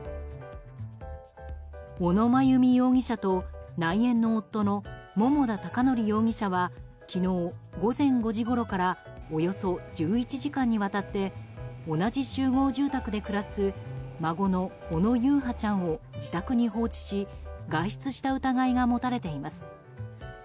小野真由美容疑者と内縁の夫の桃田貴徳容疑者は昨日午前５時ごろからおよそ１１時間にわたって同じ集合住宅で暮らす孫の小野優陽ちゃんを自宅に放置し外出した疑いが持たれています。